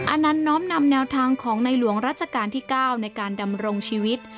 อันนั้นน้อมนำแนวทางของในหลวงรัชกาลที่๙ในการดำรงชีวิต